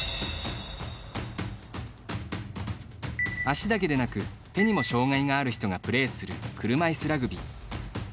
足だけでなく、手にも障がいがある人がプレーする車いすラグビー。